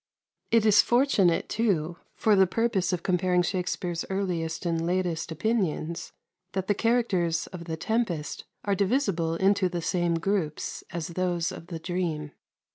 It is fortunate, too, for the purpose of comparing Shakspere's earliest and latest opinions, that the characters of "The Tempest" are divisible into the same groups as those of "The Dream."